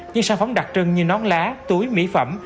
những sản phẩm đặc trưng như nón lá túi mỹ phẩm